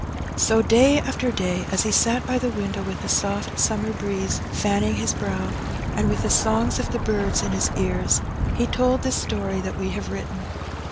So day after day as he sat by the window, with the soft summer breeze fanning his brow, and with the songs of the birds in his ears, he told the story that we have written.